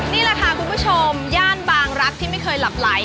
นี่แหละค่ะคุณผู้ชมย่านบางรักที่ไม่เคยหลับไหล